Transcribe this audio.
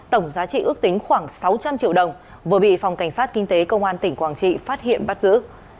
tổng giá trị ước tính khoảng sáu trăm linh triệu đồng vừa bị phòng cảnh sát kinh tế công an tỉnh quảng trị phát hiện bắt giữ